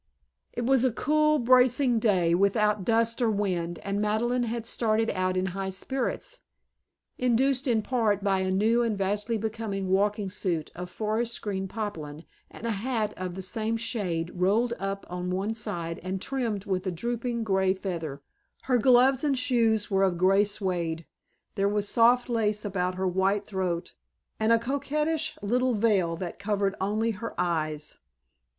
It was a cool bracing day without dust or wind and Madeleine had started out in high spirits, induced in part by a new and vastly becoming walking suit of forest green poplin and a hat of the same shade rolled up on one side and trimmed with a drooping grey feather. Her gloves and shoes were of grey suede, there was soft lace about her white throat and a coquettish little veil that covered only her eyes.